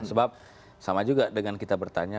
sebab sama juga dengan kita bertanya